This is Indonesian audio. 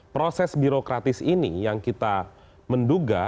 proses birokratis ini yang kita menduga